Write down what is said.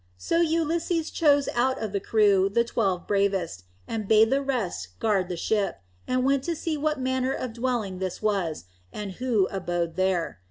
So Ulysses chose out of the crew the twelve bravest, and bade the rest guard the ship, and went to see what manner of dwelling this was, and who abode there.